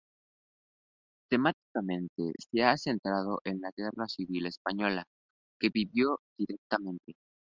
Temáticamente, se ha centrado en la Guerra Civil Española, que vivió directamente.